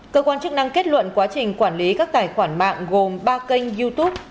cơ quan chức năng kết luận quá trình quản lý các tài khoản mạng gồm ba kênh youtube